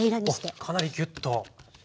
あっかなりギュッと。